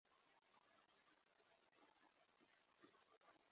Hii ni mji mdogo.